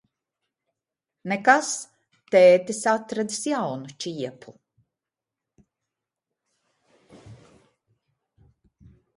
Nekas. Tētis atradis jaunu čiepu.